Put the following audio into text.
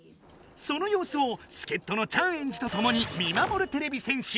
その様子を助っ人のチャンエンジとともに見まもるてれび戦士。